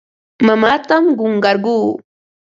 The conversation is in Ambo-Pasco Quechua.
Mamaatam qunqarquu.